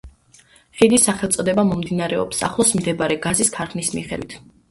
ხიდის სახელწოდება მომდინარეობს ახლოს მდებარე გაზის ქარხნის მიხედვით.